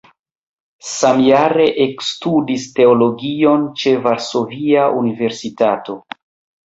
Samjare ekstudis teologion ĉe Varsovia Universitato.